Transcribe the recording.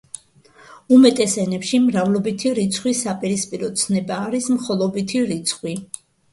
უმეტეს ენებში მრავლობითი რიცხვის საპირისპირო ცნება არის მხოლობითი რიცხვი.